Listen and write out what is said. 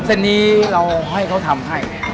เส้นนี้เราให้เขาทำให้